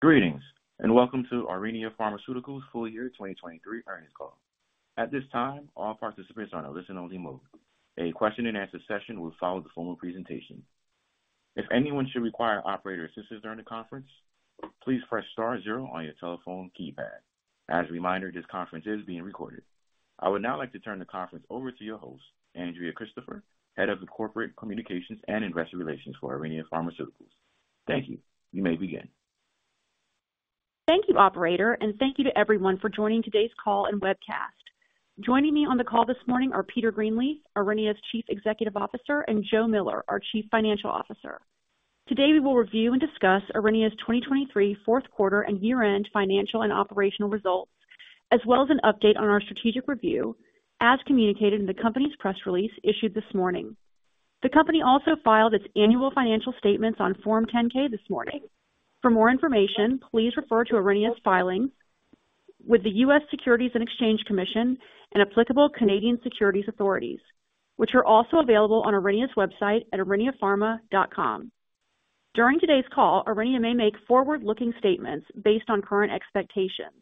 Greetings, and welcome to Aurinia Pharmaceuticals' full-year 2023 earnings call. At this time, all participants are on a listen-only mode. A question-and-answer session will follow the formal presentation. If anyone should require operator assistance during the conference, please press star zero on your telephone keypad. As a reminder, this conference is being recorded. I would now like to turn the conference over to your host, Andrea Christopher, Head of the Corporate Communications and Investor Relations for Aurinia Pharmaceuticals. Thank you. You may begin. Thank you, operator, and thank you to everyone for joining today's call and webcast. Joining me on the call this morning are Peter Greenleaf, Aurinia's Chief Executive Officer, and Joe Miller, our Chief Financial Officer. Today we will review and discuss Aurinia's 2023 fourth quarter and year-end financial and operational results, as well as an update on our strategic review as communicated in the company's press release issued this morning. The company also filed its annual financial statements on Form 10-K this morning. For more information, please refer to Aurinia's filings with the U.S. Securities and Exchange Commission and applicable Canadian Securities Authorities, which are also available on Aurinia's website at auriniapharma.com. During today's call, Aurinia may make forward-looking statements based on current expectations.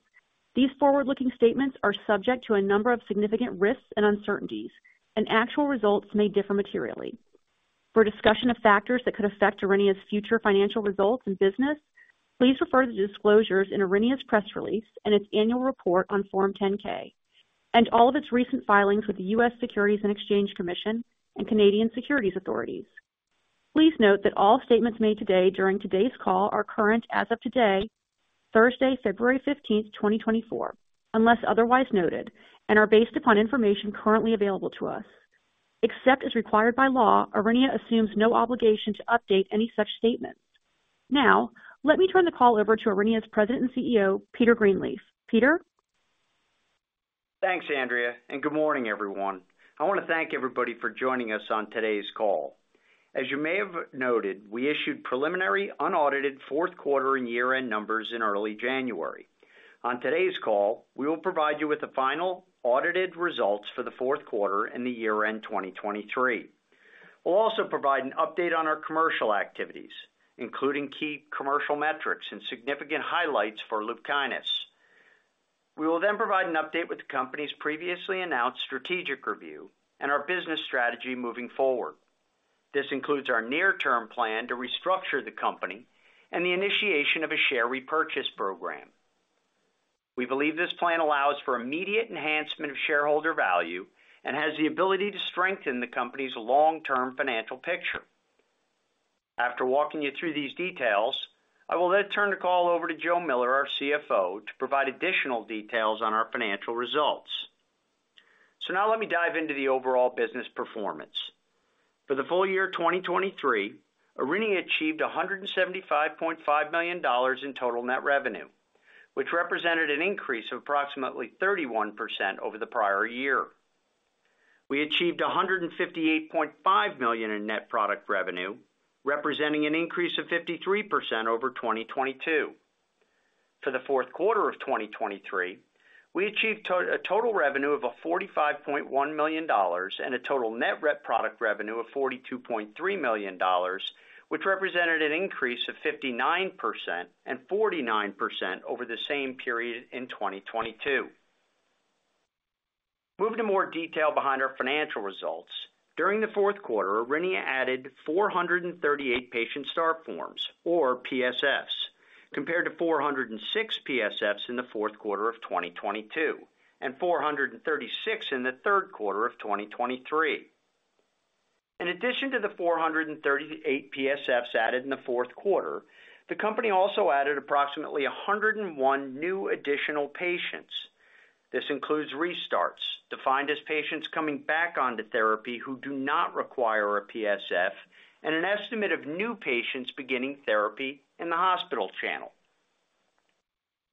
These forward-looking statements are subject to a number of significant risks and uncertainties, and actual results may differ materially. For discussion of factors that could affect Aurinia's future financial results and business, please refer to the disclosures in Aurinia's press release and its annual report on Form 10-K, and all of its recent filings with the U.S. Securities and Exchange Commission and Canadian Securities Authorities. Please note that all statements made today during today's call are current as of today, Thursday, February 15, 2024, unless otherwise noted, and are based upon information currently available to us. Except as required by law, Aurinia assumes no obligation to update any such statements. Now, let me turn the call over to Aurinia's President and CEO, Peter Greenleaf. Peter? Thanks, Andrea, and good morning, everyone. I want to thank everybody for joining us on today's call. As you may have noted, we issued preliminary unaudited fourth quarter and year-end numbers in early January. On today's call, we will provide you with the final audited results for the fourth quarter and the year-end 2023. We'll also provide an update on our commercial activities, including key commercial metrics and significant highlights for LUPKYNIS. We will then provide an update with the company's previously announced strategic review and our business strategy moving forward. This includes our near-term plan to restructure the company and the initiation of a share repurchase program. We believe this plan allows for immediate enhancement of shareholder value and has the ability to strengthen the company's long-term financial picture. After walking you through these details, I will then turn the call over to Joe Miller, our CFO, to provide additional details on our financial results. So now let me dive into the overall business performance. For the full year 2023, Aurinia achieved $175.5 million in total net revenue, which represented an increase of approximately 31% over the prior year. We achieved $158.5 million in net product revenue, representing an increase of 53% over 2022. For the fourth quarter of 2023, we achieved a total revenue of $45.1 million and a total net product revenue of $42.3 million, which represented an increase of 59% and 49% over the same period in 2022. Moving to more detail behind our financial results, during the fourth quarter, Aurinia added 438 Patient Start Forms, or PSFs, compared to 406 PSFs in the fourth quarter of 2022 and 436 in the third quarter of 2023. In addition to the 438 PSFs added in the fourth quarter, the company also added approximately 101 new additional patients. This includes restarts, defined as patients coming back onto therapy who do not require a PSF, and an estimate of new patients beginning therapy in the hospital channel.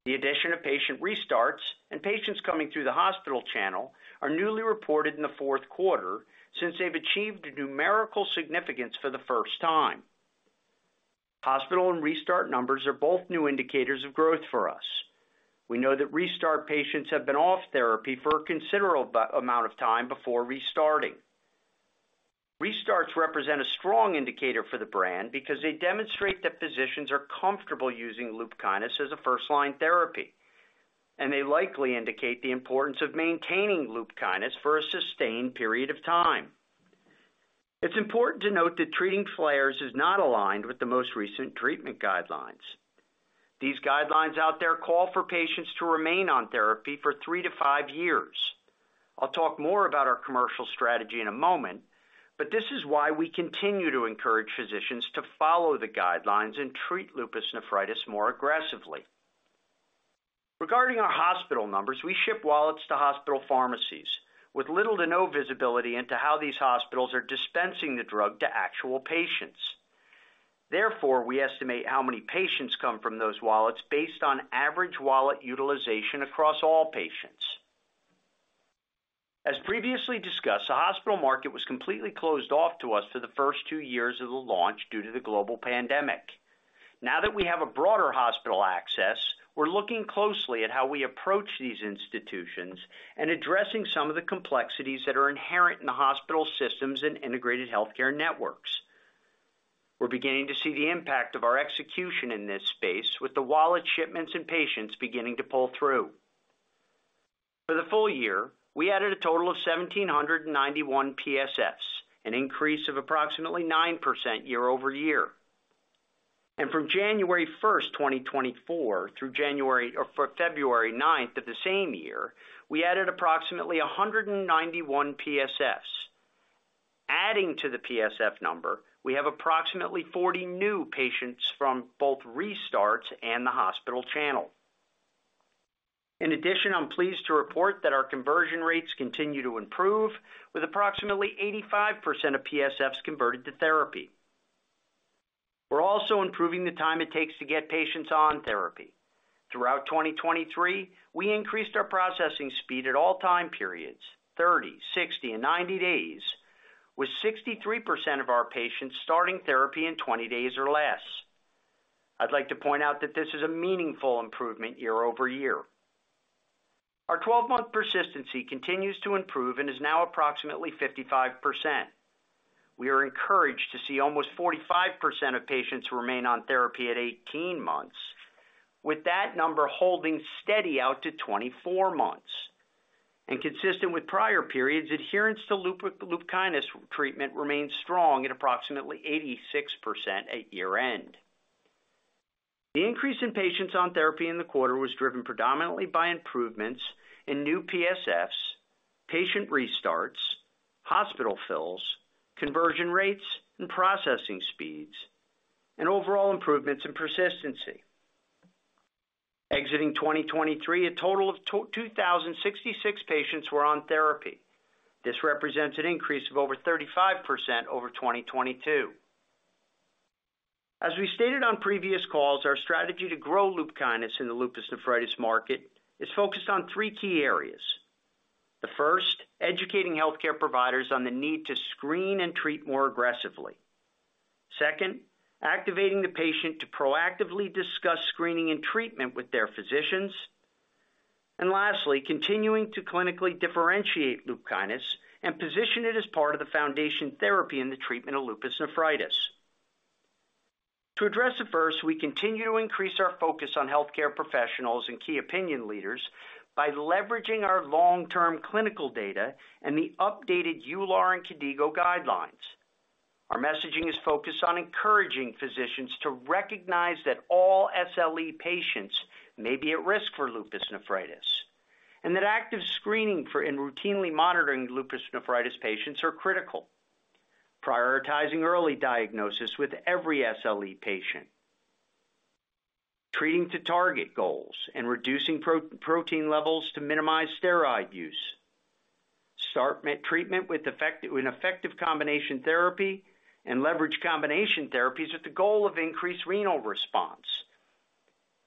The addition of patient restarts and patients coming through the hospital channel are newly reported in the fourth quarter since they've achieved numerical significance for the first time. Hospital and restart numbers are both new indicators of growth for us. We know that restart patients have been off therapy for a considerable amount of time before restarting. Restarts represent a strong indicator for the brand because they demonstrate that physicians are comfortable using LUPKYNIS as a first-line therapy, and they likely indicate the importance of maintaining LUPKYNIS for a sustained period of time. It's important to note that treating flares is not aligned with the most recent treatment guidelines. These guidelines out there call for patients to remain on therapy for 3-5 years. I'll talk more about our commercial strategy in a moment, but this is why we continue to encourage physicians to follow the guidelines and treat lupus nephritis more aggressively. Regarding our hospital numbers, we ship wallets to hospital pharmacies with little to no visibility into how these hospitals are dispensing the drug to actual patients. Therefore, we estimate how many patients come from those wallets based on average wallet utilization across all patients. As previously discussed, the hospital market was completely closed off to us for the first 2 years of the launch due to the global pandemic. Now that we have a broader hospital access, we're looking closely at how we approach these institutions and addressing some of the complexities that are inherent in the hospital systems and integrated healthcare networks. We're beginning to see the impact of our execution in this space, with the wallet shipments and patients beginning to pull through. For the full year, we added a total of 1,791 PSFs, an increase of approximately 9% year-over-year. And from January 1, 2024, through January or February 9 of the same year, we added approximately 191 PSFs. Adding to the PSF number, we have approximately 40 new patients from both restarts and the hospital channel. In addition, I'm pleased to report that our conversion rates continue to improve, with approximately 85% of PSFs converted to therapy. We're also improving the time it takes to get patients on therapy. Throughout 2023, we increased our processing speed at all time periods, 30, 60, and 90 days, with 63% of our patients starting therapy in 20 days or less. I'd like to point out that this is a meaningful improvement year-over-year. Our 12-month persistency continues to improve and is now approximately 55%. We are encouraged to see almost 45% of patients remain on therapy at 18 months, with that number holding steady out to 24 months. And consistent with prior periods, adherence to LUPKYNIS treatment remains strong at approximately 86% at year-end. The increase in patients on therapy in the quarter was driven predominantly by improvements in new PSFs, patient restarts, hospital fills, conversion rates and processing speeds, and overall improvements in persistency. Exiting 2023, a total of 2,066 patients were on therapy. This represents an increase of over 35% over 2022. As we stated on previous calls, our strategy to grow LUPKYNIS in the lupus nephritis market is focused on three key areas. The first, educating healthcare providers on the need to screen and treat more aggressively. Second, activating the patient to proactively discuss screening and treatment with their physicians. And lastly, continuing to clinically differentiate LUPKYNIS and position it as part of the foundation therapy and the treatment of lupus nephritis. To address the first, we continue to increase our focus on healthcare professionals and key opinion leaders by leveraging our long-term clinical data and the updated EULAR and KDIGO guidelines. Our messaging is focused on encouraging physicians to recognize that all SLE patients may be at risk for lupus nephritis, and that active screening for and routinely monitoring lupus nephritis patients are critical. Prioritizing early diagnosis with every SLE patient. Treating to target goals and reducing protein levels to minimize steroid use. Start treatment with an effective combination therapy and leverage combination therapies with the goal of increased renal response.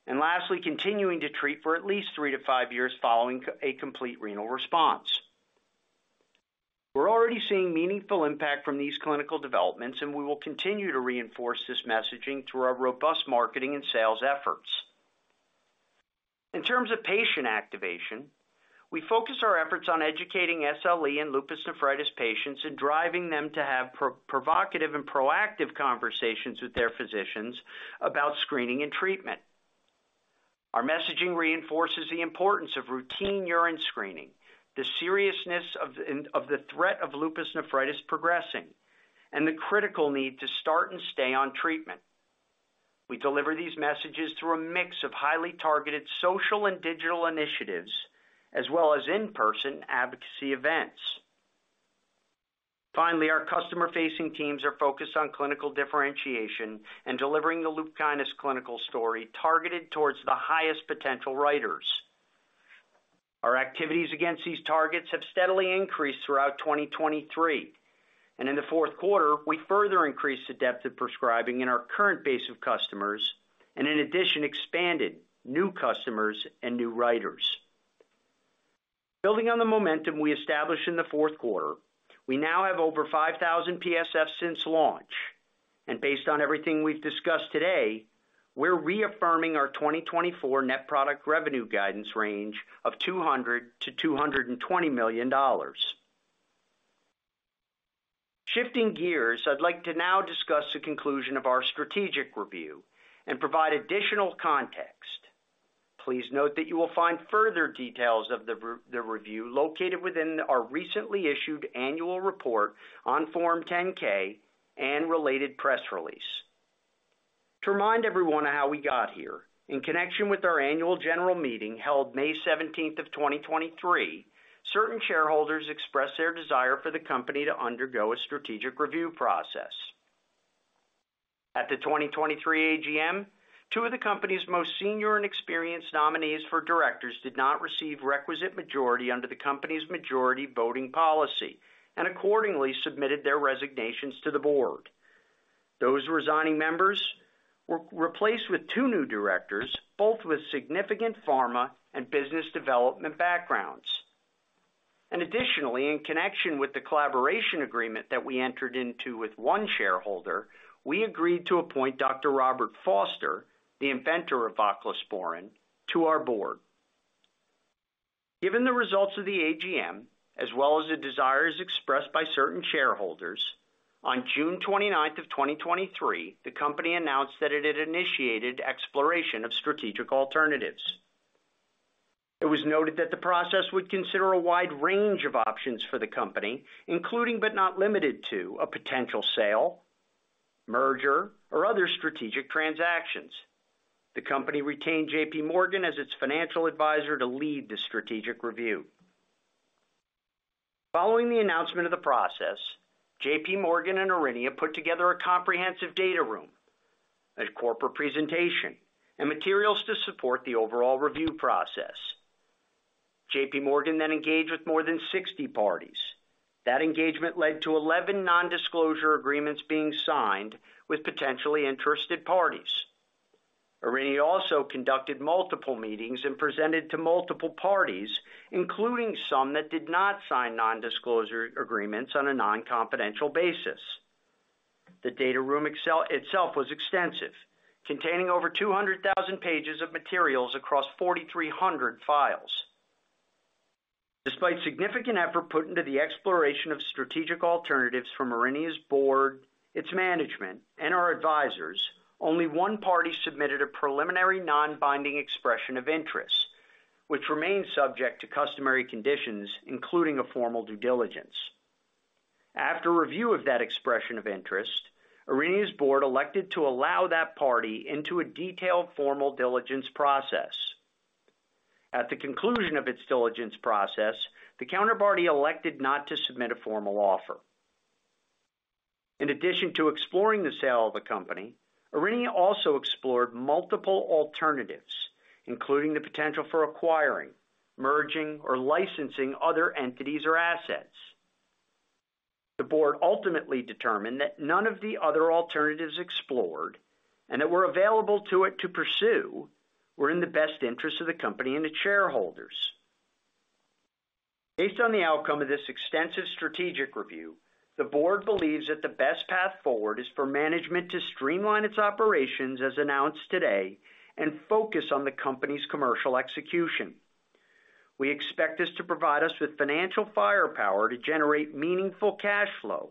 Lastly, continuing to treat for at least three-to-five years following a complete renal response. We're already seeing meaningful impact from these clinical developments, and we will continue to reinforce this messaging through our robust marketing and sales efforts. In terms of patient activation, we focus our efforts on educating SLE and lupus nephritis patients and driving them to have provocative and proactive conversations with their physicians about screening and treatment. Our messaging reinforces the importance of routine urine screening, the seriousness of the threat of lupus nephritis progressing, and the critical need to start and stay on treatment. We deliver these messages through a mix of highly targeted social and digital initiatives, as well as in-person advocacy events. Finally, our customer-facing teams are focused on clinical differentiation and delivering the LUPKYNIS clinical story targeted towards the highest potential writers. Our activities against these targets have steadily increased throughout 2023, and in the fourth quarter, we further increased the depth of prescribing in our current base of customers and, in addition, expanded new customers and new writers. Building on the momentum we established in the fourth quarter, we now have over 5,000 PSFs since launch. And based on everything we've discussed today, we're reaffirming our 2024 net product revenue guidance range of $200 million-$220 million. Shifting gears, I'd like to now discuss the conclusion of our strategic review and provide additional context. Please note that you will find further details of the review located within our recently issued annual report on Form 10-K and related press release. To remind everyone of how we got here, in connection with our annual general meeting held May 17, 2023, certain shareholders expressed their desire for the company to undergo a strategic review process. At the 2023 AGM, two of the company's most senior and experienced nominees for directors did not receive requisite majority under the company's majority voting policy and accordingly submitted their resignations to the board. Those resigning members were replaced with two new directors, both with significant pharma and business development backgrounds. Additionally, in connection with the collaboration agreement that we entered into with one shareholder, we agreed to appoint Dr. Robert Foster, the inventor of voclosporin, to our board. Given the results of the AGM, as well as the desires expressed by certain shareholders, on June 29, 2023, the company announced that it had initiated exploration of strategic alternatives. It was noted that the process would consider a wide range of options for the company, including but not limited to a potential sale, merger, or other strategic transactions. The company retained JPMorgan as its financial advisor to lead the strategic review. Following the announcement of the process, JPMorgan and Aurinia put together a comprehensive data room, a corporate presentation, and materials to support the overall review process. JPMorgan then engaged with more than 60 parties. That engagement led to 11 nondisclosure agreements being signed with potentially interested parties. Aurinia also conducted multiple meetings and presented to multiple parties, including some that did not sign nondisclosure agreements on a non-confidential basis. The data room itself was extensive, containing over 200,000 pages of materials across 4,300 files. Despite significant effort put into the exploration of strategic alternatives from Aurinia's board, its management, and our advisors, only one party submitted a preliminary non-binding expression of interest, which remains subject to customary conditions, including a formal due diligence. After review of that expression of interest, Aurinia's board elected to allow that party into a detailed formal diligence process. At the conclusion of its diligence process, the counterparty elected not to submit a formal offer. In addition to exploring the sale of the company, Aurinia also explored multiple alternatives, including the potential for acquiring, merging, or licensing other entities or assets. The board ultimately determined that none of the other alternatives explored and that were available to it to pursue were in the best interests of the company and its shareholders. Based on the outcome of this extensive strategic review, the board believes that the best path forward is for management to streamline its operations, as announced today, and focus on the company's commercial execution. We expect this to provide us with financial firepower to generate meaningful cash flow,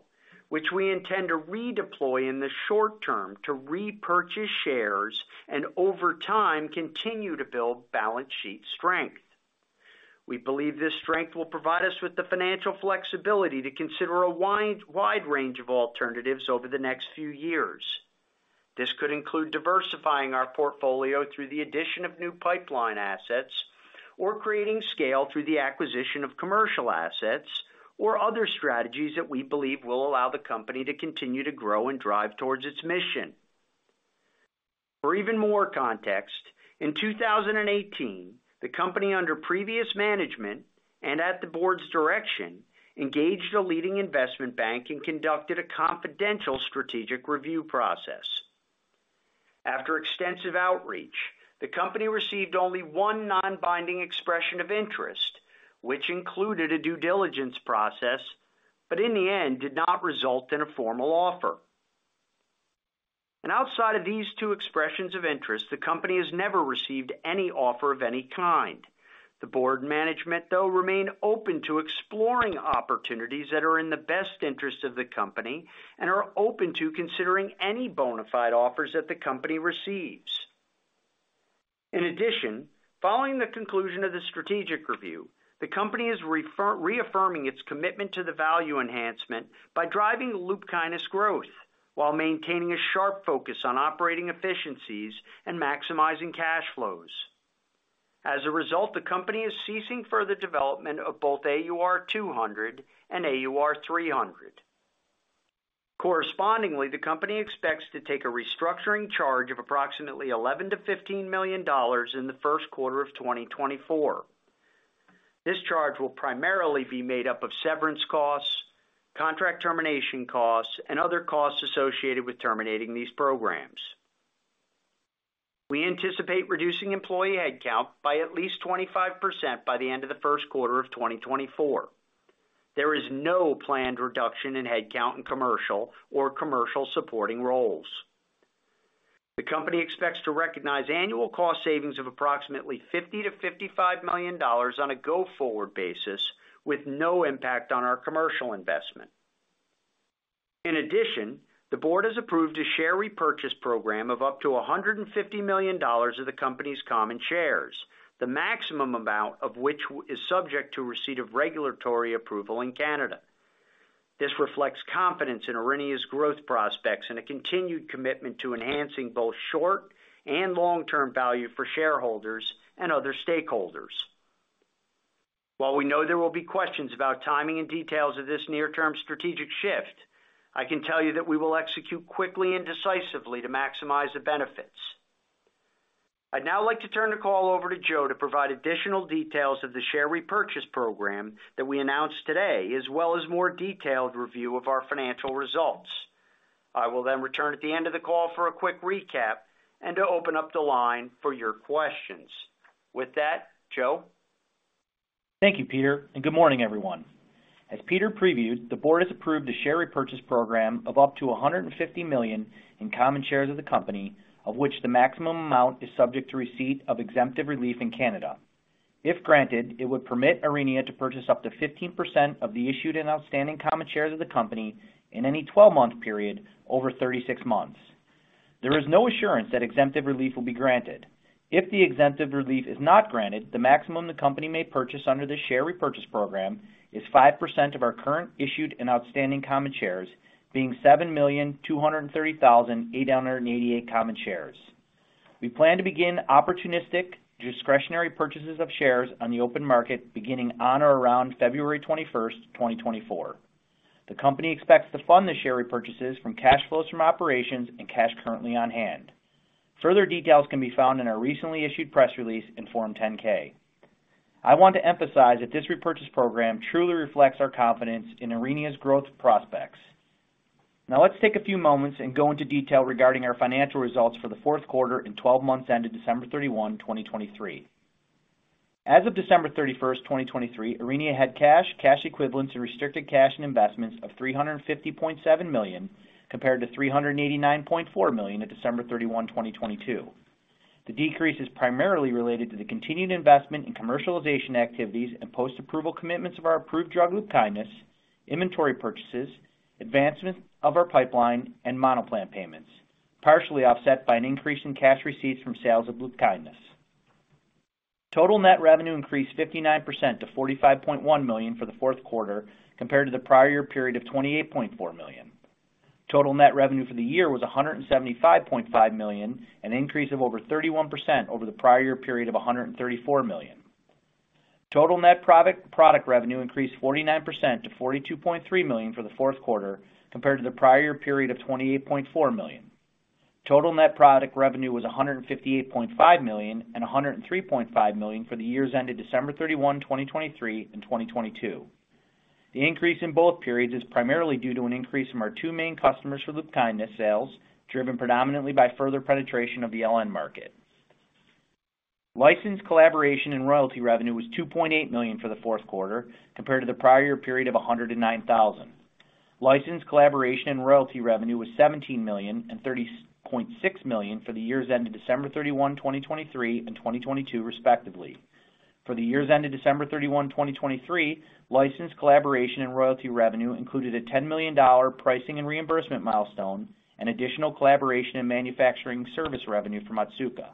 which we intend to redeploy in the short term to repurchase shares and, over time, continue to build balance sheet strength. We believe this strength will provide us with the financial flexibility to consider a wide range of alternatives over the next few years. This could include diversifying our portfolio through the addition of new pipeline assets, or creating scale through the acquisition of commercial assets, or other strategies that we believe will allow the company to continue to grow and drive towards its mission. For even more context, in 2018, the company under previous management and at the board's direction engaged a leading investment bank and conducted a confidential strategic review process. After extensive outreach, the company received only one non-binding expression of interest, which included a due diligence process, but in the end did not result in a formal offer. Outside of these two expressions of interest, the company has never received any offer of any kind. The board and management, though, remain open to exploring opportunities that are in the best interests of the company and are open to considering any bona fide offers that the company receives. In addition, following the conclusion of the strategic review, the company is reaffirming its commitment to the value enhancement by driving LUPKYNIS growth while maintaining a sharp focus on operating efficiencies and maximizing cash flows. As a result, the company is ceasing further development of both AUR200 and AUR300. Correspondingly, the company expects to take a restructuring charge of approximately $11-$15 million in the first quarter of 2024. This charge will primarily be made up of severance costs, contract termination costs, and other costs associated with terminating these programs. We anticipate reducing employee headcount by at least 25% by the end of the first quarter of 2024. There is no planned reduction in headcount in commercial or commercial-supporting roles. The company expects to recognize annual cost savings of approximately $50-$55 million on a go-forward basis, with no impact on our commercial investment. In addition, the board has approved a share repurchase program of up to $150 million of the company's common shares, the maximum amount of which is subject to receipt of regulatory approval in Canada. This reflects confidence in Aurinia's growth prospects and a continued commitment to enhancing both short and long-term value for shareholders and other stakeholders. While we know there will be questions about timing and details of this near-term strategic shift, I can tell you that we will execute quickly and decisively to maximize the benefits. I'd now like to turn the call over to Joe to provide additional details of the share repurchase program that we announced today, as well as a more detailed review of our financial results. I will then return at the end of the call for a quick recap and to open up the line for your questions. With that, Joe. Thank you, Peter, and good morning, everyone. As Peter previewed, the board has approved a share repurchase program of up to $150 million in common shares of the company, of which the maximum amount is subject to receipt of exemptive relief in Canada. If granted, it would permit Aurinia to purchase up to 15% of the issued and outstanding common shares of the company in any 12-month period over 36 months. There is no assurance that exemptive relief will be granted. If the exemptive relief is not granted, the maximum the company may purchase under this share repurchase program is 5% of our current issued and outstanding common shares, being 7,230,888 common shares. We plan to begin opportunistic, discretionary purchases of shares on the open market beginning on or around February 21, 2024. The company expects to fund the share repurchases from cash flows from operations and cash currently on hand. Further details can be found in our recently issued press release in Form 10-K. I want to emphasize that this repurchase program truly reflects our confidence in Aurinia's growth prospects. Now, let's take a few moments and go into detail regarding our financial results for the fourth quarter and 12 months ended December 31, 2023. As of December 31, 2023, Aurinia had cash, cash equivalents, and restricted cash in investments of $350.7 million compared to $389.4 million at December 31, 2022. The decrease is primarily related to the continued investment in commercialization activities and post-approval commitments of our approved drug LUPKYNIS, inventory purchases, advancements of our pipeline, and Monoplant payments, partially offset by an increase in cash receipts from sales of LUPKYNIS. Total net revenue increased 59% to $45.1 million for the fourth quarter compared to the prior year period of $28.4 million. Total net revenue for the year was $175.5 million, an increase of over 31% over the prior year period of $134 million. Total net product revenue increased 49% to $42.3 million for the fourth quarter compared to the prior year period of $28.4 million. Total net product revenue was $158.5 million and $103.5 million for the years ended December 31, 2023, and 2022. The increase in both periods is primarily due to an increase in our two main customers for LUPKYNIS sales, driven predominantly by further penetration of the LN market. License, collaboration, and royalty revenue was $2.8 million for the fourth quarter compared to the prior year period of $109,000. License, collaboration, and royalty revenue was $17 million and $30.6 million for the years ended December 31, 2023, and 2022, respectively. For the years ended December 31, 2023, license, collaboration, and royalty revenue included a $10 million pricing and reimbursement milestone and additional collaboration and manufacturing service revenue from Otsuka.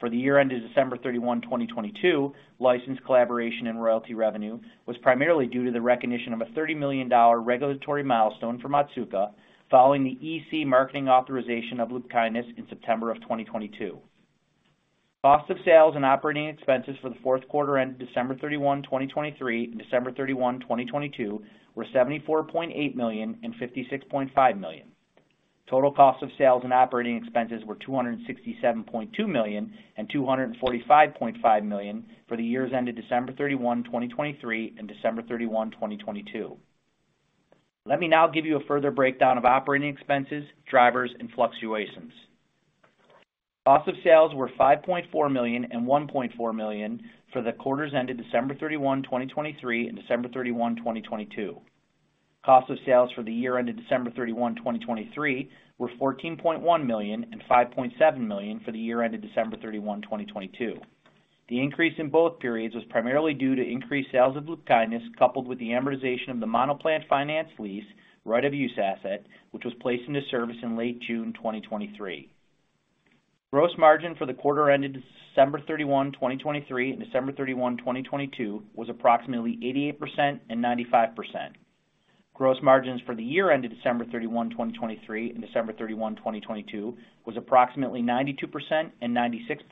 For the year ended December 31, 2022, license, collaboration, and royalty revenue was primarily due to the recognition of a $30 million regulatory milestone from Otsuka following the EC marketing authorization of LUPKYNIS in September of 2022. Cost of sales and operating expenses for the fourth quarter ended December 31, 2023, and December 31, 2022, were $74.8 million and $56.5 million. Total cost of sales and operating expenses were $267.2 million and $245.5 million for the years ended December 31, 2023, and December 31, 2022. Let me now give you a further breakdown of operating expenses, drivers, and fluctuations. Cost of sales were $5.4 million and $1.4 million for the quarters ended December 31, 2023, and December 31, 2022. Cost of sales for the year ended December 31, 2023, were $14.1 million and $5.7 million for the year ended December 31, 2022. The increase in both periods was primarily due to increased sales of LUPKYNIS coupled with the amortization of the manufacturing plant finance lease, right-of-use asset, which was placed into service in late June 2023. Gross margin for the quarter ended December 31, 2023, and December 31, 2022, was approximately 88% and 95%. Gross margins for the year ended December 31, 2023, and December 31, 2022, were approximately 92% and 96%.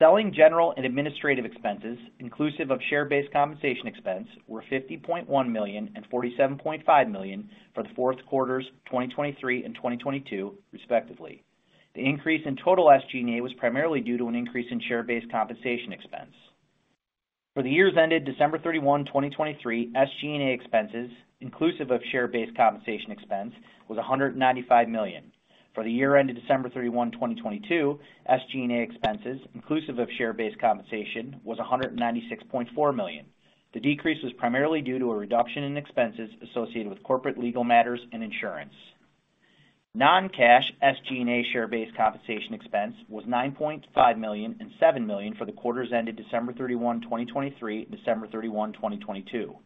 Selling general and administrative expenses, inclusive of share-based compensation expense, were $50.1 million and $47.5 million for the fourth quarters, 2023 and 2022, respectively. The increase in total SG&A was primarily due to an increase in share-based compensation expense. For the years ended December 31, 2023, SG&A expenses, inclusive of share-based compensation expense, were $195 million. For the year ended December 31, 2022, SG&A expenses, inclusive of share-based compensation, were $196.4 million. The decrease was primarily due to a reduction in expenses associated with corporate legal matters and insurance. Non-cash SG&A share-based compensation expense was $9.5 million and $7 million for the quarters ended December 31, 2023, and December 31, 2022.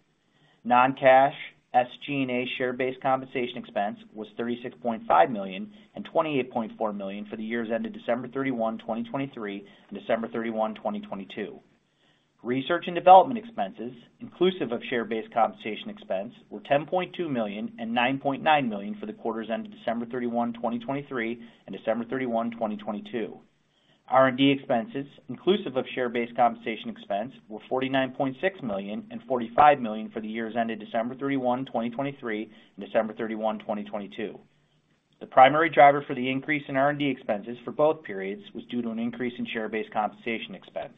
Non-cash SG&A share-based compensation expense was $36.5 million and $28.4 million for the years ended December 31, 2023, and December 31, 2022. Research and development expenses, inclusive of share-based compensation expense, were $10.2 million and $9.9 million for the quarters ended December 31, 2023, and December 31, 2022. R&D expenses, inclusive of share-based compensation expense, were $49.6 million and $45 million for the years ended December 31, 2023, and December 31, 2022. The primary driver for the increase in R&D expenses for both periods was due to an increase in share-based compensation expense.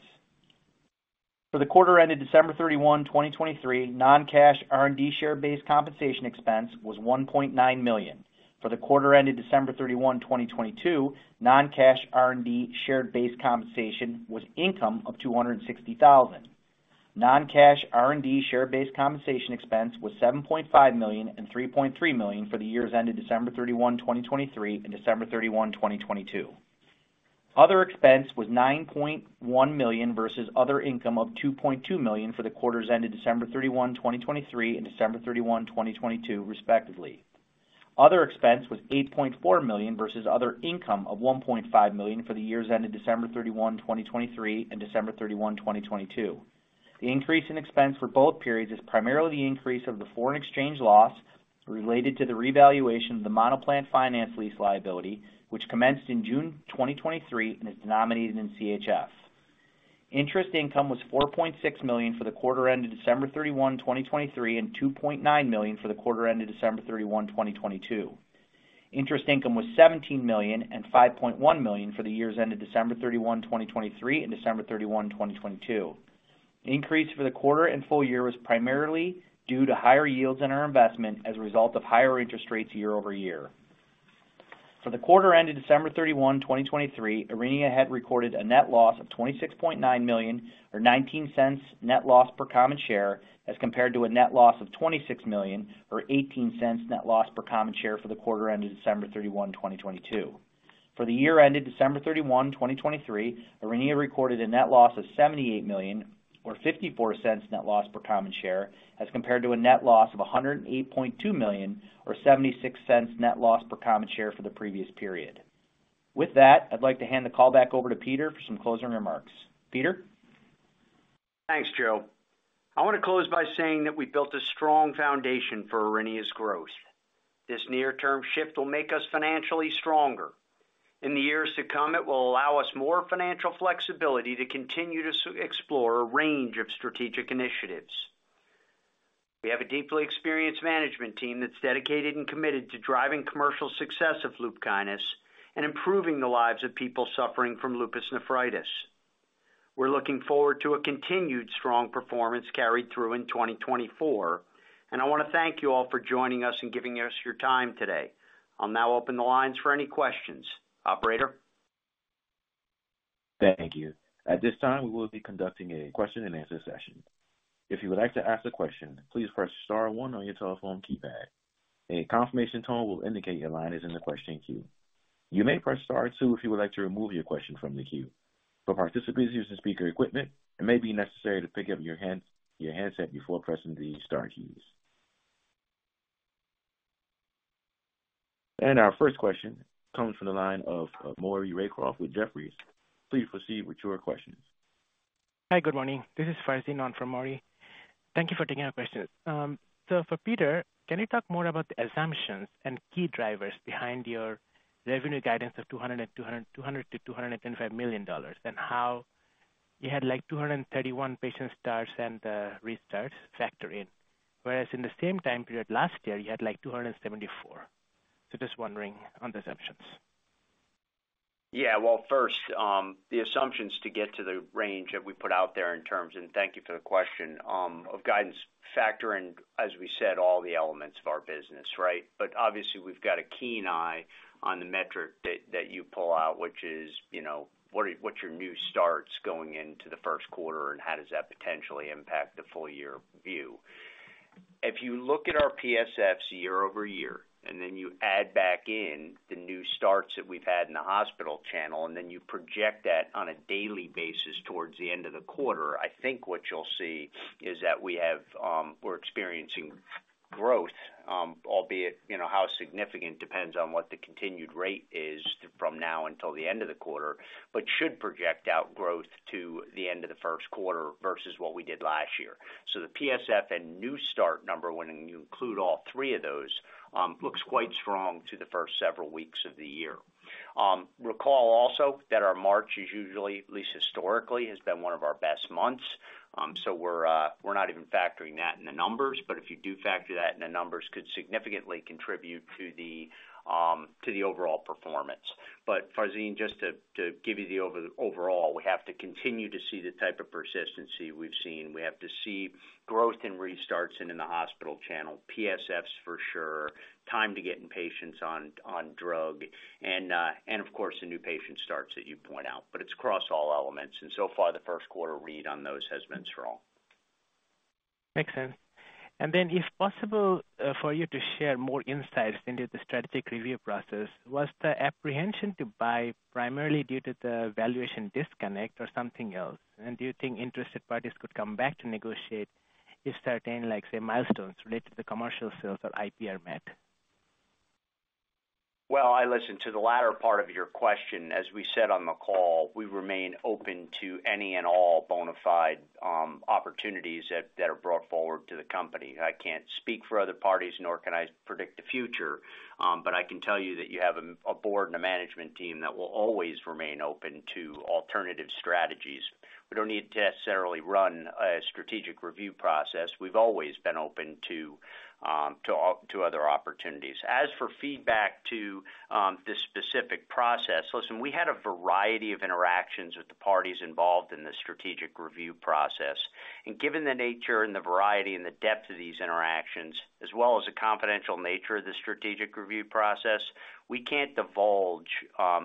For the quarter ended December 31, 2023, non-cash R&D share-based compensation expense was $1.9 million. For the quarter ended December 31, 2022, non-cash R&D share-based compensation was income of $260,000. Non-cash R&D share-based compensation expense was $7.5 million and $3.3 million for the years ended December 31, 2023, and December 31, 2022. Other expense was $9.1 million versus other income of $2.2 million for the quarters ended December 31, 2023, and December 31, 2022, respectively. Other expense was $8.4 million versus other income of $1.5 million for the years ended December 31, 2023, and December 31, 2022. The increase in expense for both periods is primarily the increase of the foreign exchange loss related to the revaluation of the Lonza finance lease liability, which commenced in June 2023 and is denominated in CHF. Interest income was $4.6 million for the quarter ended December 31, 2023, and $2.9 million for the quarter ended December 31, 2022. Interest income was $17 million and $5.1 million for the years ended December 31, 2023, and December 31, 2022. The increase for the quarter and full year was primarily due to higher yields on our investment as a result of higher interest rates year-over-year. For the quarter ended December 31, 2023, Aurinia had recorded a net loss of $26.9 million or $0.19 net loss per common share as compared to a net loss of $26 million or $0.18 net loss per common share for the quarter ended December 31, 2022. For the year ended December 31, 2023, Aurinia recorded a net loss of $78 million or $0.54 net loss per common share as compared to a net loss of $108.2 million or $0.76 net loss per common share for the previous period. With that, I'd like to hand the call back over to Peter for some closing remarks. Peter? Thanks, Joe. I want to close by saying that we built a strong foundation for Aurinia's growth. This near-term shift will make us financially stronger. In the years to come, it will allow us more financial flexibility to continue to explore a range of strategic initiatives. We have a deeply experienced management team that's dedicated and committed to driving commercial success of LUPKYNIS and improving the lives of people suffering from lupus nephritis. We're looking forward to a continued strong performance carried through in 2024, and I want to thank you all for joining us and giving us your time today. I'll now open the lines for any questions. Operator? Thank you. At this time, we will be conducting a question-and-answer session. If you would like to ask a question, please press star one on your telephone keypad. A confirmation tone will indicate your line is in the question queue. You may press star two if you would like to remove your question from the queue. For participants using speaker equipment, it may be necessary to pick up your handset before pressing the star keys. Our first question comes from the line of Maury Raycroft with Jefferies. Please proceed with your questions. Hi, good morning. This is Farzin Haque from Maury. Thank you for taking our questions. So for Peter, can you talk more about the assumptions and key drivers behind your revenue guidance of $200 million-$225 million and how you had 231 patient starts and restarts factor in, whereas in the same time period last year, you had 274? So just wondering on the assumptions. Yeah. Well, first, the assumptions to get to the range that we put out there in terms and thank you for the question of guidance factor in, as we said, all the elements of our business, right? But obviously, we've got a keen eye on the metric that you pull out, which is what are your new starts going into the first quarter, and how does that potentially impact the full year view? If you look at our PSFs year-over-year and then you add back in the new starts that we've had in the hospital channel, and then you project that on a daily basis towards the end of the quarter, I think what you'll see is that we're experiencing growth, albeit how significant depends on what the continued rate is from now until the end of the quarter, but should project out growth to the end of the first quarter versus what we did last year. So the PSF and new start number, when you include all three of those, looks quite strong to the first several weeks of the year. Recall also that our March is usually, at least historically, has been one of our best months. So we're not even factoring that in the numbers, but if you do factor that in the numbers, could significantly contribute to the overall performance. But Farzin, just to give you the overall, we have to continue to see the type of persistency we've seen. We have to see growth in restarts and in the hospital channel, PSFs for sure, time to getting patients on drug, and of course, the new patient starts that you point out. But it's across all elements. And so far, the first quarter read on those has been strong. Makes sense. And then if possible for you to share more insights into the strategic review process, was the apprehension to buy primarily due to the valuation disconnect or something else? And do you think interested parties could come back to negotiate if certain, say, milestones related to the commercial sales or IP are met? Well, I listened to the latter part of your question. As we said on the call, we remain open to any and all bona fide opportunities that are brought forward to the company. I can't speak for other parties, nor can I predict the future, but I can tell you that you have a board and a management team that will always remain open to alternative strategies. We don't need to necessarily run a strategic review process. We've always been open to other opportunities. As for feedback to this specific process, listen, we had a variety of interactions with the parties involved in the strategic review process. Given the nature and the variety and the depth of these interactions, as well as the confidential nature of the strategic review process, we can't divulge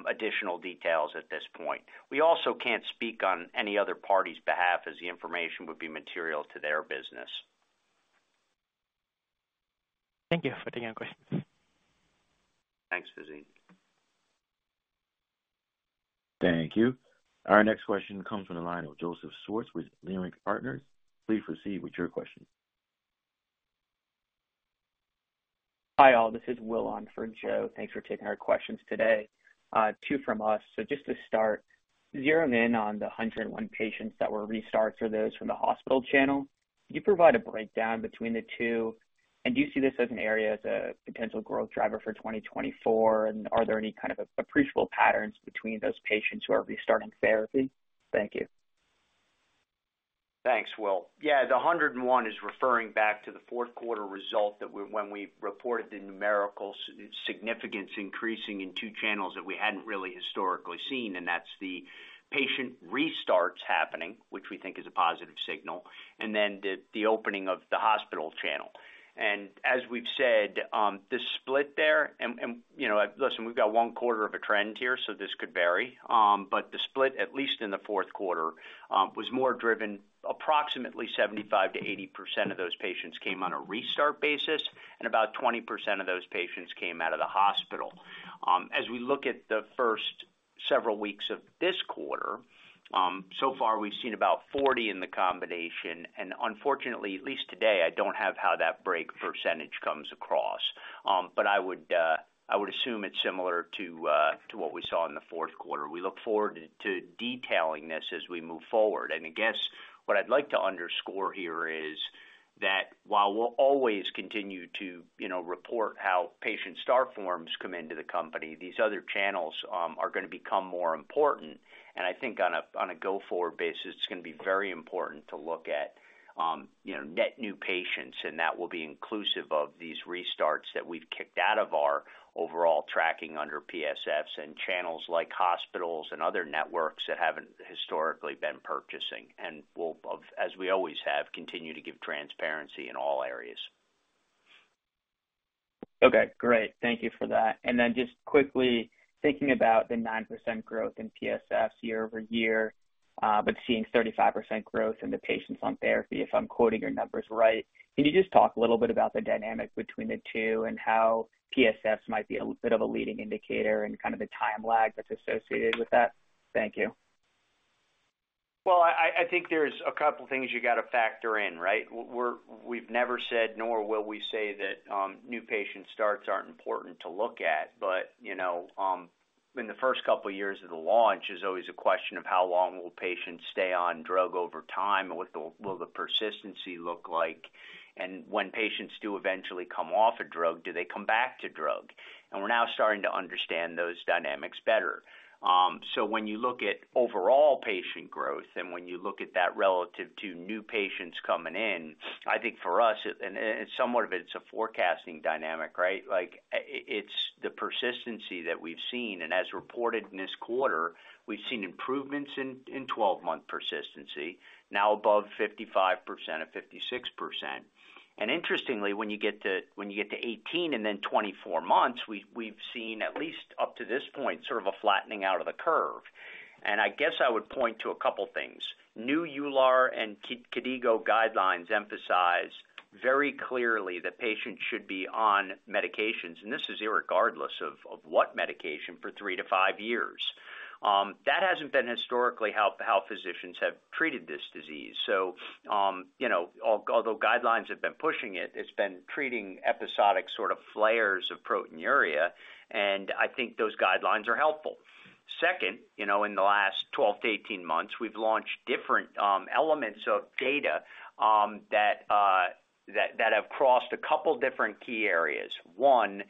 additional details at this point. We also can't speak on any other party's behalf as the information would be material to their business. Thank you for taking our questions. Thanks, Farzin. Thank you. Our next question comes from the line of Joseph Schwartz with Leerink Partners. Please proceed with your question. Hi all. This is Will on for Joe. Thanks for taking our questions today. Two from us. So just to start, zeroing in on the 101 patients that were restarts are those from the hospital channel, could you provide a breakdown between the two, and do you see this as an area as a potential growth driver for 2024, and are there any kind of appreciable patterns between those patients who are restarting therapy? Thank you. Thanks, Will. Yeah, the 101 is referring back to the fourth quarter result that when we reported the numerical significance increasing in two channels that we hadn't really historically seen, and that's the patient restarts happening, which we think is a positive signal, and then the opening of the hospital channel. And as we've said, the split there and listen, we've got one quarter of a trend here, so this could vary, but the split, at least in the fourth quarter, was more driven approximately 75%-80% of those patients came on a restart basis, and about 20% of those patients came out of the hospital. As we look at the first several weeks of this quarter, so far, we've seen about 40 in the combination. Unfortunately, at least today, I don't have how that break percentage comes across, but I would assume it's similar to what we saw in the fourth quarter. We look forward to detailing this as we move forward. I guess what I'd like to underscore here is that while we'll always continue to report how Patient Start Forms come into the company, these other channels are going to become more important. I think on a go-forward basis, it's going to be very important to look at net new patients, and that will be inclusive of these restarts that we've kicked out of our overall tracking under PSFs and channels like hospitals and other networks that haven't historically been purchasing and will, as we always have, continue to give transparency in all areas. Okay. Great. Thank you for that. Then just quickly thinking about the 9% growth in PSFs year-over-year, but seeing 35% growth in the patients on therapy, if I'm quoting your numbers right, can you just talk a little bit about the dynamic between the two and how PSFs might be a bit of a leading indicator and kind of the time lag that's associated with that? Thank you. Well, I think there's a couple of things you got to factor in, right? We've never said, nor will we say, that new patient starts aren't important to look at. But in the first couple of years of the launch, it's always a question of how long will patients stay on drug over time, and what will the persistency look like, and when patients do eventually come off a drug, do they come back to drug? And we're now starting to understand those dynamics better. So when you look at overall patient growth and when you look at that relative to new patients coming in, I think for us, and somewhat of it's a forecasting dynamic, right? It's the persistency that we've seen. And as reported in this quarter, we've seen improvements in 12-month persistency, now above 55% or 56%. And interestingly, when you get to 18 and then 24 months, we've seen, at least up to this point, sort of a flattening out of the curve. And I guess I would point to a couple of things. New EULAR and KDIGO guidelines emphasize very clearly that patients should be on medications, and this is irregardless of what medication, for three to five years. That hasn't been historically how physicians have treated this disease. So although guidelines have been pushing it, it's been treating episodic sort of flares of proteinuria, and I think those guidelines are helpful. Second, in the last 12-18 months, we've launched different elements of data that have crossed a couple of different key areas. One,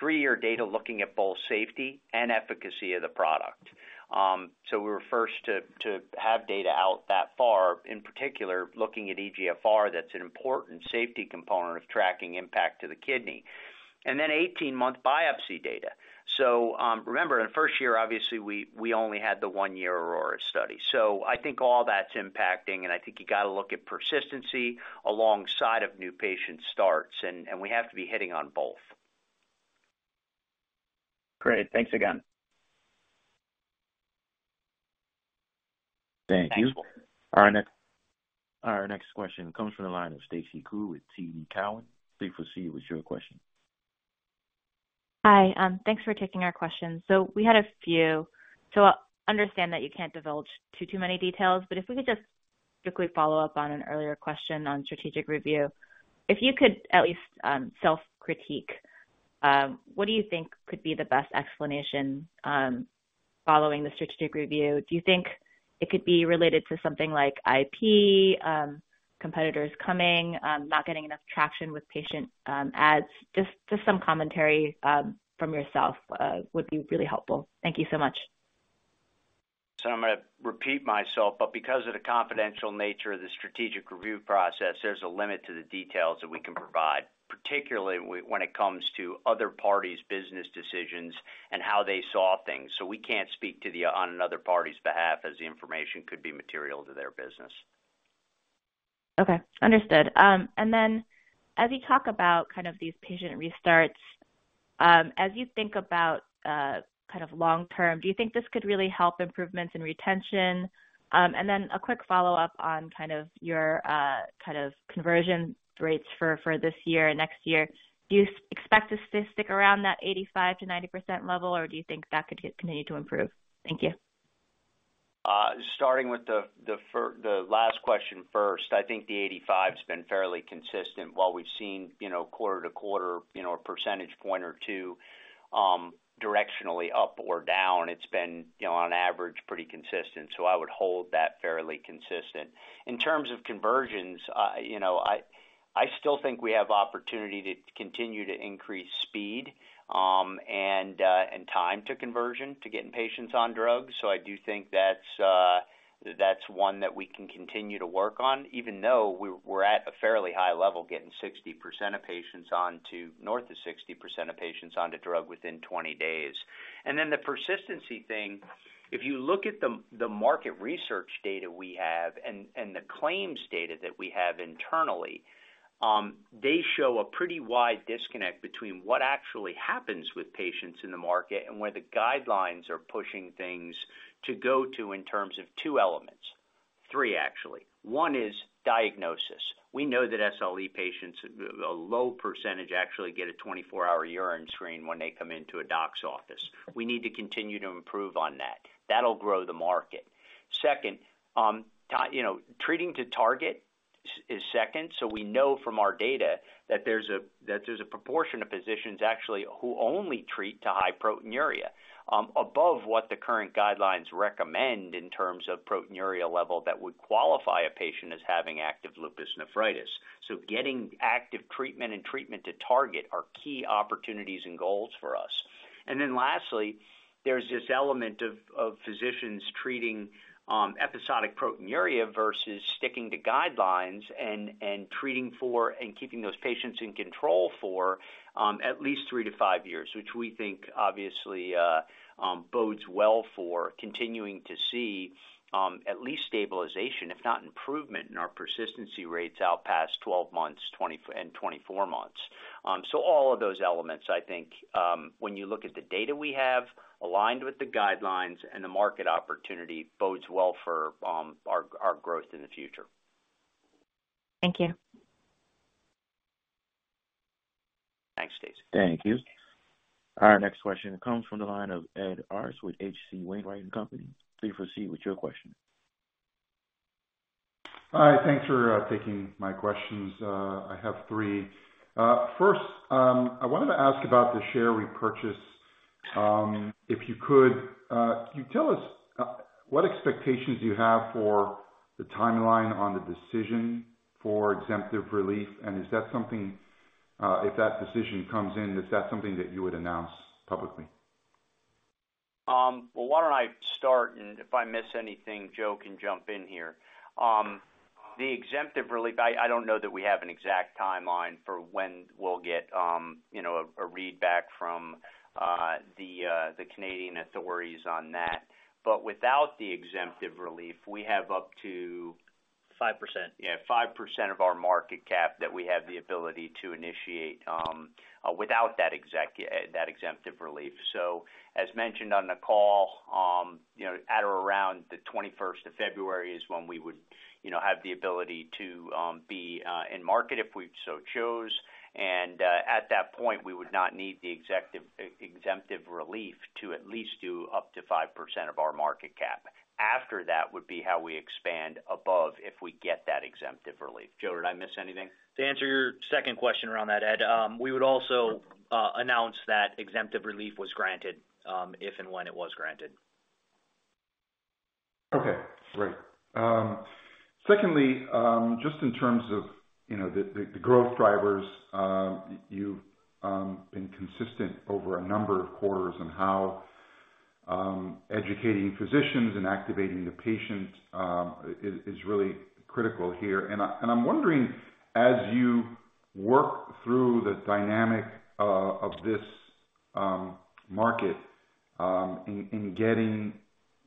3-year data looking at both safety and efficacy of the product. So we were first to have data out that far, in particular looking at eGFR that's an important safety component of tracking impact to the kidney. And then 18-month biopsy data. So remember, in the first year, obviously, we only had the 1-year Aurora study. So I think all that's impacting, and I think you got to look at persistency alongside of new patient starts, and we have to be hitting on both. Great. Thanks again. Thank you. Thanks, Will. Our next question comes from the line of Stacy Ku with TD Cowen. Please proceed with your question. Hi. Thanks for taking our questions. So we had a few. So I understand that you can't divulge too many details, but if we could just quickly follow up on an earlier question on strategic review, if you could at least self-critique, what do you think could be the best explanation following the strategic review? Do you think it could be related to something like IP, competitors coming, not getting enough traction with patient ads? Just some commentary from yourself would be really helpful. Thank you so much. So I'm going to repeat myself, but because of the confidential nature of the strategic review process, there's a limit to the details that we can provide, particularly when it comes to other parties' business decisions and how they saw things. So we can't speak on another party's behalf as the information could be material to their business. Okay. Understood. And then as you talk about kind of these patient restarts, as you think about kind of long-term, do you think this could really help improvements in retention? And then a quick follow-up on kind of your kind of conversion rates for this year and next year, do you expect us to stick around that 85%-90% level, or do you think that could continue to improve? Thank you. Starting with the last question first, I think the 85% has been fairly consistent. While we've seen quarter-to-quarter a percentage point or two directionally up or down, it's been, on average, pretty consistent. So I would hold that fairly consistent. In terms of conversions, I still think we have opportunity to continue to increase speed and time to conversion, to getting patients on drugs. So I do think that's one that we can continue to work on, even though we're at a fairly high level getting 60% of patients on to north of 60% of patients on to drug within 20 days. And then the persistency thing, if you look at the market research data we have and the claims data that we have internally, they show a pretty wide disconnect between what actually happens with patients in the market and where the guidelines are pushing things to go to in terms of two elements, three actually. One is diagnosis. We know that SLE patients, a low percentage, actually get a 24-hour urine screen when they come into a doc's office. We need to continue to improve on that. That'll grow the market. Second, treating to target is second. So we know from our data that there's a proportion of physicians actually who only treat to high proteinuria above what the current guidelines recommend in terms of proteinuria level that would qualify a patient as having active lupus nephritis. So getting active treatment and treatment to target are key opportunities and goals for us. And then lastly, there's this element of physicians treating episodic proteinuria versus sticking to guidelines and treating for and keeping those patients in control for at least three to five years, which we think obviously bodes well for continuing to see at least stabilization, if not improvement, in our persistency rates out past 12 months and 24 months. So all of those elements, I think, when you look at the data we have aligned with the guidelines and the market opportunity, bodes well for our growth in the future. Thank you. Thanks, Stacy. Thank you. Our next question comes from the line of Ed Arce with H.C. Wainwright & Co. Please proceed with your question. Hi. Thanks for taking my questions. I have three. First, I wanted to ask about the share we purchase. If you could, can you tell us what expectations do you have for the timeline on the decision for exemptive relief? And is that something if that decision comes in, is that something that you would announce publicly? Well, why don't I start, and if I miss anything, Joe can jump in here. The exemptive relief, I don't know that we have an exact timeline for when we'll get a readback from the Canadian authorities on that. But without the exemptive relief, we have up to 5%. Yeah, 5% of our market cap that we have the ability to initiate without that exemptive relief. So as mentioned on the call, at or around the 21st of February is when we would have the ability to be in market if we so chose. And at that point, we would not need the exemptive relief to at least do up to 5% of our market cap. After that would be how we expand above if we get that exemptive relief. Joe, did I miss anything? To answer your second question around that, Ed, we would also announce that exemptive relief was granted if and when it was granted. Okay. Great. Secondly, just in terms of the growth drivers, you've been consistent over a number of quarters on how educating physicians and activating the patient is really critical here. And I'm wondering, as you work through the dynamic of this market in getting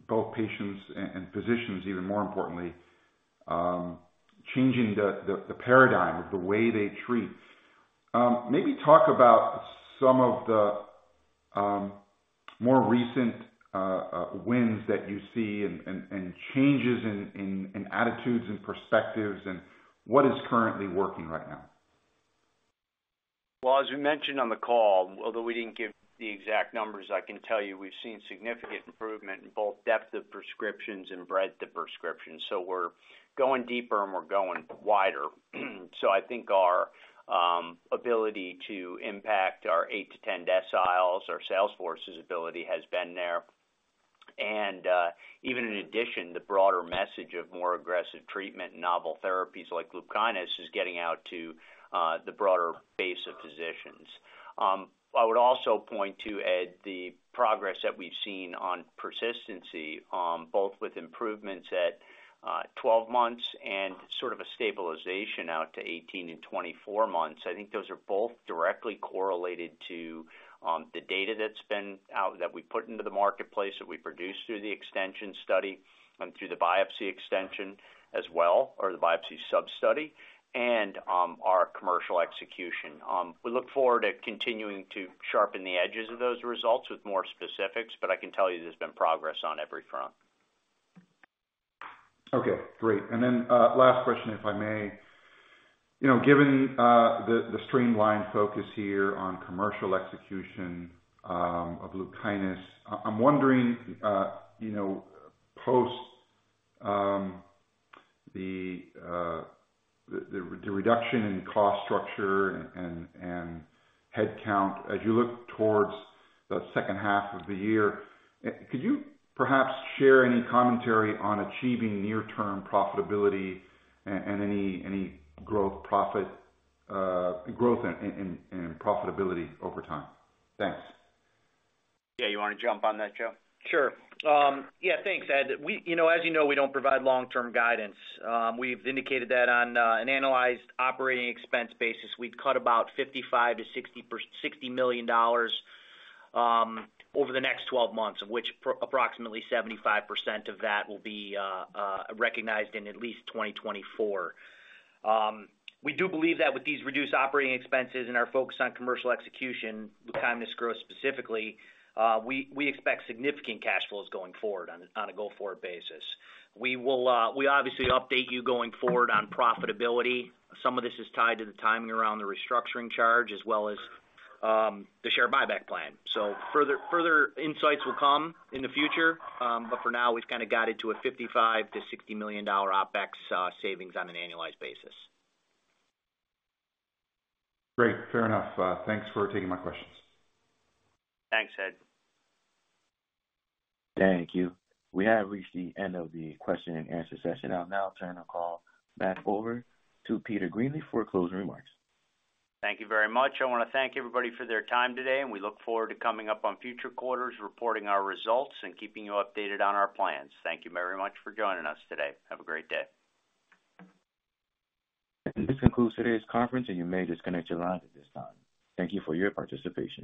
both patients and physicians, even more importantly, changing the paradigm of the way they treat, maybe talk about some of the more recent wins that you see and changes in attitudes and perspectives and what is currently working right now? Well, as we mentioned on the call, although we didn't give the exact numbers, I can tell you we've seen significant improvement in both depth of prescriptions and breadth of prescriptions. So we're going deeper, and we're going wider. So I think our ability to impact our 8-10 deciles, our salesforce's ability has been there. Even in addition, the broader message of more aggressive treatment and novel therapies like Lupkynis is getting out to the broader base of physicians. I would also point to, Ed, the progress that we've seen on persistency, both with improvements at 12 months and sort of a stabilization out to 18 and 24 months. I think those are both directly correlated to the data that's been out that we put into the marketplace that we produced through the extension study and through the biopsy extension as well, or the biopsy substudy, and our commercial execution. We look forward to continuing to sharpen the edges of those results with more specifics, but I can tell you there's been progress on every front. Okay. Great. And then last question, if I may. Given the streamlined focus here on commercial execution of Lupkynis, I'm wondering, post the reduction in cost structure and headcount, as you look towards the second half of the year, could you perhaps share any commentary on achieving near-term profitability and any growth profit growth and profitability over time? Thanks. Yeah. You want to jump on that, Joe? Sure. Yeah. Thanks, Ed. As you know, we don't provide long-term guidance. We've indicated that on an annualized operating expense basis, we'd cut about $55 million-$60 million over the next 12 months, of which approximately 75% of that will be recognized in at least 2024. We do believe that with these reduced operating expenses and our focus on commercial execution, Lupkynis growth specifically, we expect significant cash flows going forward on a go-forward basis. We will obviously update you going forward on profitability. Some of this is tied to the timing around the restructuring charge as well as the share buyback plan. Further insights will come in the future, but for now, we've kind of got it to a $55 million-$60 million OpEx savings on an annualized basis. Great. Fair enough. Thanks for taking my questions. Thanks, Ed. Thank you. We have reached the end of the question-and-answer session. I'll now turn the call back over to Peter Greenleaf for closing remarks. Thank you very much. I want to thank everybody for their time today, and we look forward to coming up on future quarters, reporting our results, and keeping you updated on our plans. Thank you very much for joining us today. Have a great day. This concludes today's conference, and you may disconnect your line at this time. Thank you for your participation.